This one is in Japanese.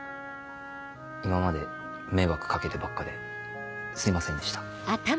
今まで迷惑かけてばっかですいませんでした。